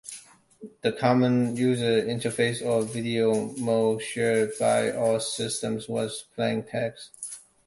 The common user interface or video mode shared by all systems was plain text.